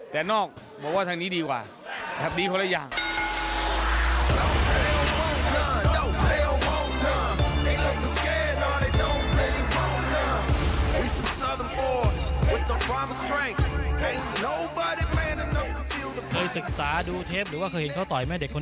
แต่เป็นเรื่องนอกผมว่านี่ดีกว่า